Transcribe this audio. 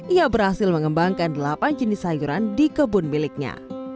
ia berhasil mengembangkan delapan jenis sayuran di kebun miliknya